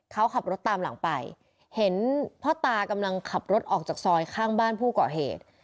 เขาขับรถตามหลังไปเห็นพ่อตากำลังขับรถออกจากซอยข้างบ้านผู้ก่อเหตุ